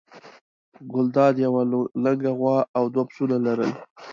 ګلداد یوه لنګه غوا او دوه پسونه لرل.